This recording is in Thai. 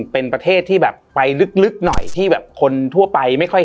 เป็นประเทศที่แบบไปลึกหน่อยที่แบบคนทั่วไปไม่ค่อย